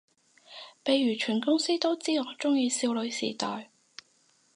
譬如全公司都知我鍾意少女時代